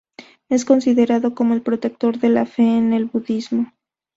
Es considerado como el protector de la fe en el budismo.